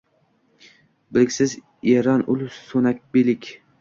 Biliksiz eran ul – so’ngak beilik.